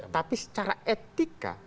tapi secara etika